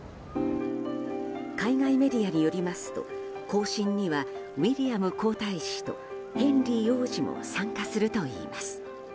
海外メディアによりますと行進にはウィリアム皇太子とヘンリー王子も参加するといいます。